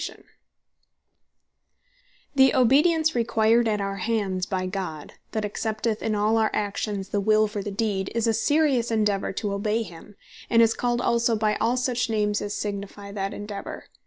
What Obedience Is Necessary; The Obedience required at our hands by God, that accepteth in all our actions the Will for the Deed, is a serious Endeavour to Obey him; and is called also by all such names as signifie that Endeavour.